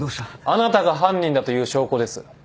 あなたが犯人だという証拠です。